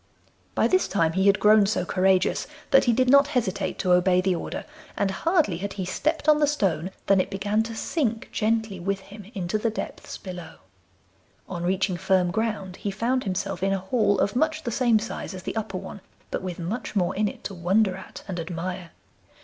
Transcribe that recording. By this time he had grown so courageous that he did not hesitate to obey the order, and hardly had he stepped on the stone than it began to sink gently with him into the depths below. On reaching firm ground he found himself in a hall of much the same size as the upper one, but with much more in it to wonder at and admire.